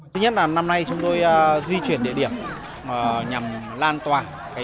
thứ nhất là năm nay chúng tôi di chuyển địa điểm nhằm lan tỏa